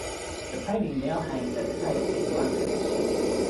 The painting now hangs at Tate in London.